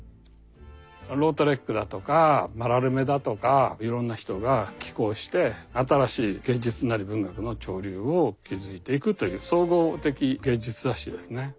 ロートレックだとかマラルメだとかいろんな人が寄稿して新しい芸術なり文学の潮流を築いていくという総合的芸術雑誌ですね。